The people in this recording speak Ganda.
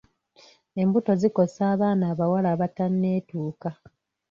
Embuto zikosa abaana abawala abatanneetuuka.